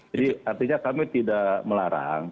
jadi artinya kami tidak melarang